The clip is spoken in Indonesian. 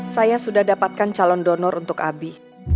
saya sudah dapatkan calon donor untuk abi